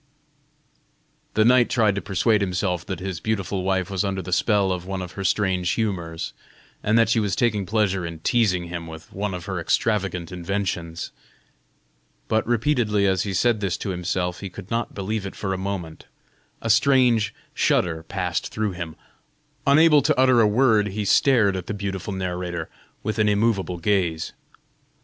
The knight tried to persuade himself that his beautiful wife was under the spell of one of her strange humors, and that she was taking pleasure in teasing him with one of her extravagant inventions. But repeatedly as he said this to himself, he could not believe it for a moment; a strange shudder passed through him; unable to utter a word, he stared at the beautiful narrator with an immovable gaze.